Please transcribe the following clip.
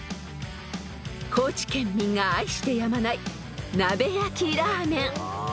［高知県民が愛してやまない鍋焼きラーメン］